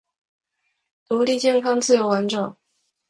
独立健康自由完整